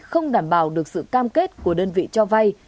không đảm bảo được sự cam kết của đơn vị cho vay